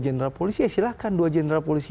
jenderal polisi ya silahkan dua jenderal polisi